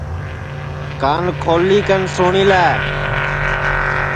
کان کھولی کن سُٹؔی لے